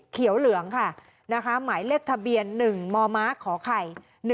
เหลืองค่ะนะคะหมายเลขทะเบียน๑มมขไข่๑๑